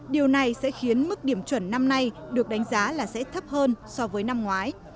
điều này sẽ khiến mức điểm chuẩn năm nay được đánh giá là sẽ thấp hơn so với năm ngoái